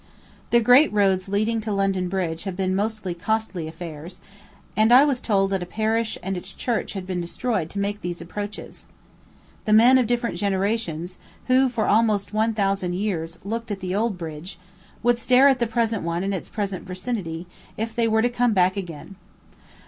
The great roads leading to London Bridge have been most costly affairs; and I was told that a parish and its church had been destroyed to make these approaches. The men of different generations, who, for almost one thousand years, looked at the old bridge, would stare at the present one and its present vicinity, if they were to come back again.